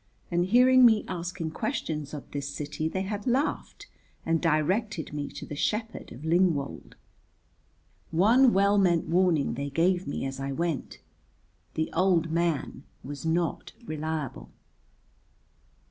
And hearing me asking questions of this city they had laughed and directed me to the shepherd of Lingwold. One well meant warning they gave me as I went the old man was not reliable.